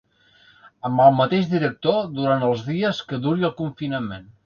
Amb el mateix director, durant els dies que duri el confinament.